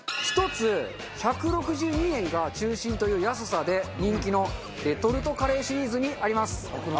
１つ１６２円が中心という安さで人気のレトルトカレーシリーズにあります。